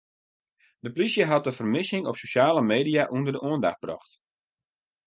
De plysje hat de fermissing op sosjale media ûnder de oandacht brocht.